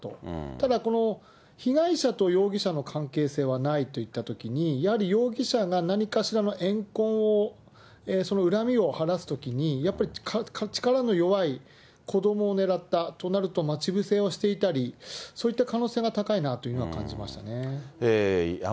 ただ、被害者と容疑者の関係性はないといったときに、やはり容疑者が何かしらの怨恨を、その恨みを晴らすときに、やっぱり力の弱い子どもを狙ったとなると待ち伏せをしていたり、そういった可能性が高いなというのは感じましたね。